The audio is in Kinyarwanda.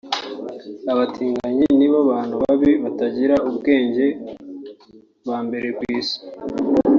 “Abatinganyi ni bo bantu babi/batagira ubwenge ba mbere ku isi